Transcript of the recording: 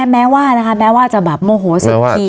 แม้ว่านะคะแม้ว่าจะแบบโมโหสุดขี่